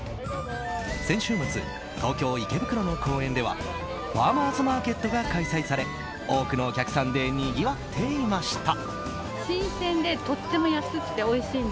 先週末、東京・池袋の公園ではファーマーズマーケットが開催され多くのお客さんでにぎわっていました。